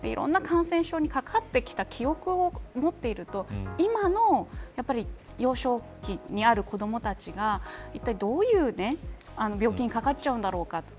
いろんな感染症にかかってきた記憶を持っていると今の幼少期にある子どもたちがいったい、どういう病気にかかっちゃうんだろうかと。